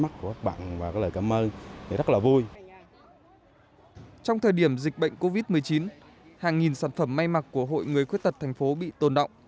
trong thời điểm dịch bệnh covid một mươi chín hàng nghìn sản phẩm may mặc của hội người khuyết tật thành phố bị tồn động